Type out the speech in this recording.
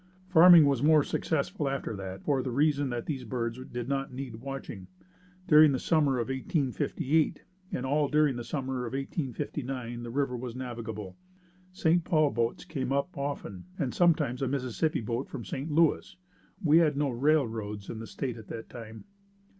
Farming was more successful after that, for the reason that these birds did not need watching. During the summer of 1858 and all during the summer of 1859 the river was navigable. St. Paul boats came up often and sometimes a Mississippi boat from St. Louis. We had no railroads in the state at that time.